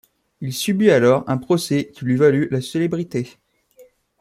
Il subit alors un procès qui lui valut la célébrité.